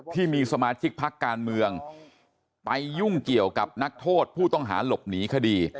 ที่มีสมาชิกพักการเมืองไปยุ่งเกี่ยวกับนักโทษผู้ต้องหาหลบหนีคดี